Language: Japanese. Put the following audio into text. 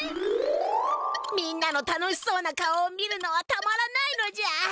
みんなの楽しそうな顔を見るのはたまらないのじゃ。